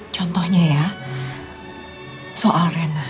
contohnya ya soal rena